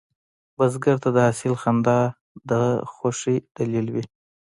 بزګر ته د حاصل خندا د خوښې دلیل وي